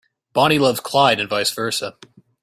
Bonnie loves Clyde and vice versa.